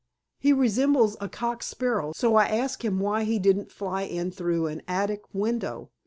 He resembles a cock sparrow, so I asked him why he didn't fly in through an attic window.